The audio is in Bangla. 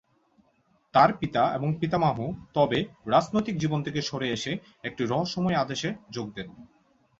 তার পিতা এবং পিতামহ, তবে, রাজনৈতিক জীবন থেকে সরে এসে একটি রহস্যময় আদেশে যোগ দেন।